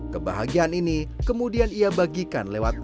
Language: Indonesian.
kebahagiaan ini kemudian ia bagikan lewat